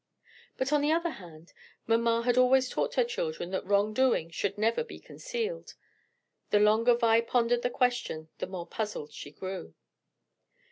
But on the other hand, mamma had always taught her children that wrong doing should never be concealed. The longer Vi pondered the question the more puzzled she grew.